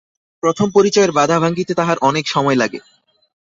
প্রথম-পরিচয়ের বাধা ভাঙিতে তাহার অনেক সময় লাগে।